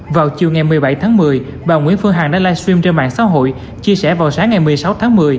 vào chiều ngày một mươi bảy tháng một mươi bà nguyễn phương hằng đã livestream trên mạng xã hội chia sẻ vào sáng ngày một mươi sáu tháng một mươi